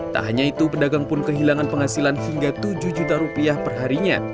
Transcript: tak hanya itu pedagang pun kehilangan penghasilan hingga tujuh juta rupiah perharinya